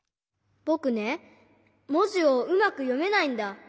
ぼくねもじをうまくよめないんだ。